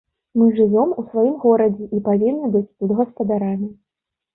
Мы жывём у сваім горадзе і павінны быць тут гаспадарамі.